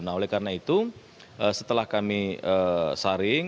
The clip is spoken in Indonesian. nah oleh karena itu setelah kami saring